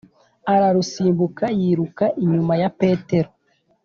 ararusimbuka yiruka inyuma ya petero,